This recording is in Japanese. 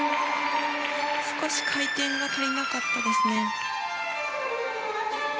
少し回転が足りなかったですね。